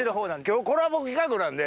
今日コラボ企画なんで。